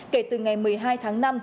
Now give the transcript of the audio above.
kể từ ngày một mươi hai tháng năm